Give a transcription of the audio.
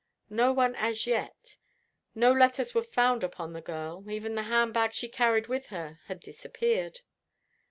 "No one, as yet. No letters were found upon the girl. Even the handbag she carried with her had disappeared."